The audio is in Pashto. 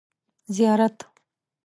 زیارت